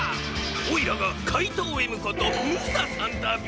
おいらがかいとうＭことムサさんだビ！